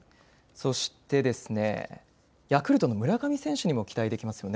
そして、ヤクルトの村上選手にも期待できますよね。